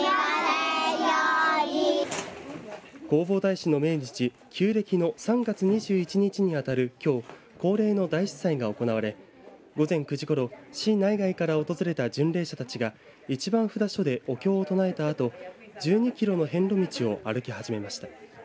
弘法大師の命日旧暦の３月２１日に当たるきょう恒例の大師祭が行われ午前９時ごろ、市内外から訪れた巡礼者たちが１番札所でお経を唱えた後１２キロの遍路道を歩き始めました。